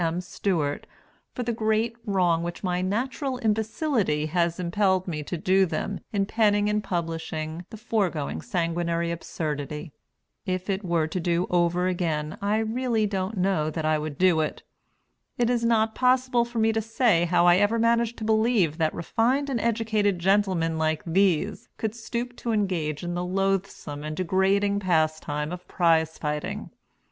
M. Stewart, for the great wrong which my natural imbecility has impelled me to do them in penning and publishing the foregoing sanguinary absurdity. If it were to do over again, I don't really know that I would do it. It is not possible for me to say how I ever managed to believe that refined and educated gentlemen like these could stoop to engage in the loathsome and degrading pastime of prize fighting.